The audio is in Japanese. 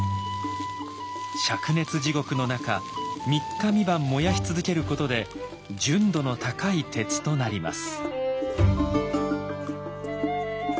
しゃく熱地獄の中三日三晩燃やし続けることで純度の高い鉄となります。